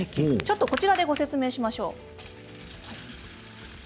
こちらでご説明しましょう。